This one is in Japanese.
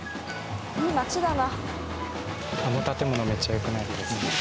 いい街だな。